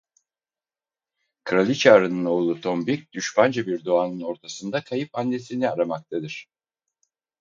Kraliçe arının oğlu Tombik düşmanca bir doğanın ortasında kayıp annesini aramaktadır.